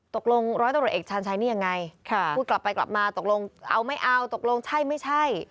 ร้อยตำรวจเอกชาญชัยนี่ยังไงพูดกลับไปกลับมาตกลงเอาไม่เอาตกลงใช่ไม่ใช่